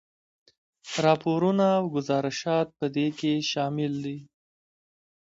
راپورونه او ګذارشات په دې کې شامل دي.